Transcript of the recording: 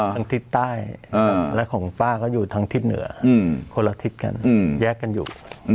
ทิศใต้และของป้าก็อยู่ทางทิศเหนือคนละทิศกันแยกกันอยู่